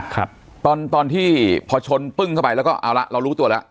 ครับตอนตอนที่พอชนปึ้งเข้าไปแล้วก็เอาละเรารู้ตัวแล้ว